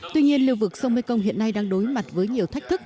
tuy nhiên liêu vực sông mê công hiện nay đang đối mặt với nhiều thách thức